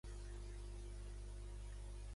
Umbro subministra les equipacions de l'equip nacional.